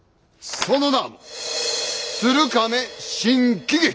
その名も鶴亀新喜劇。